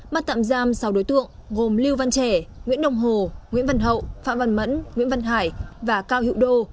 bắt tạm giam sáu đối tượng gồm lưu văn trẻ nguyễn đồng hồ nguyễn văn hậu phạm văn mẫn nguyễn văn hải và cao hiệu đô